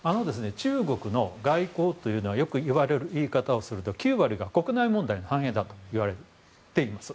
中国の外交というのはよく言われる言い方をすると九割が国内問題の反映だといわれています。